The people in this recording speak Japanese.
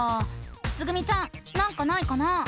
つぐみちゃんなんかないかな？